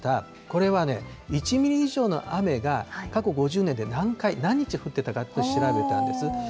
これはね、１ミリ以上の雨が過去５０年で何回、何日降ったかと調べたんです。